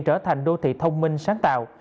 trở thành đô thị thông minh sáng tạo